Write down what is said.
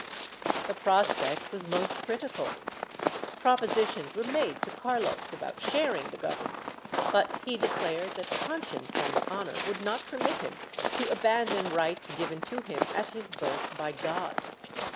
The prospect was most critical. Propo sitions were made to Carlos about sharing the government, but he declared that conscience and honor would not permit him to abandon rights given to him at his birth by God.